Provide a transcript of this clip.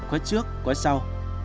quá trước quá sau